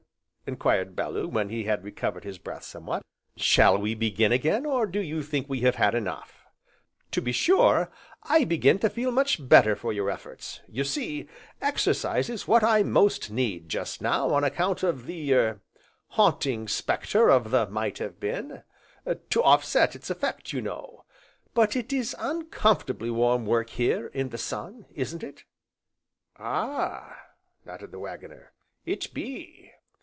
enquired Bellew, when he had recovered his breath somewhat, "shall we begin again, or do you think we have had enough? To be sure, I begin to feel much better for your efforts, you see, exercise is what I most need, just now, on account of the er Haunting Spectre of the Might Have Been, to offset its effect, you know; but it is uncomfortably warm work here, in the sun, isn't it?" "Ah!" nodded the Waggoner, "it be."